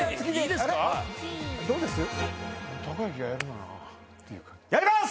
どうです？